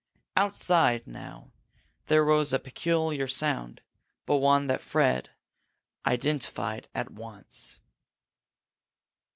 Outside now there rose a peculiar sound, but one that Fred identified at once.